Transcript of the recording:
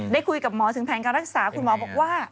ได้คุยกับหมอถึงแผนการรักษาคุณหมอบอกว่า